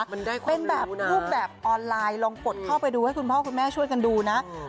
เป็นแบบรูปแบบออนไลน์ลองกดเข้าไปดูให้คุณพ่อคุณแม่ช่วยกันดูนะ